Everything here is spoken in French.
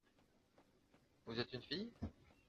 Vous êtes une fille ?